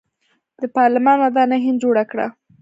د پارلمان ودانۍ هند جوړه کړه.